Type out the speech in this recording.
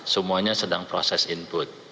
semuanya sedang proses input